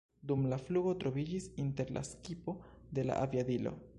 Dum la flugo troviĝis inter la skipo de la aviadilo.